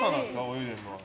泳いでるのは。